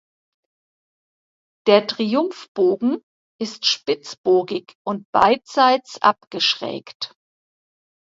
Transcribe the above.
Der Triumphbogen ist spitzbogig und beidseits abgeschrägt.